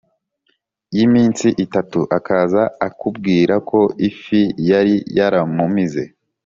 Yiminsi itatu akaza akubwira ko ifi yari yaramumize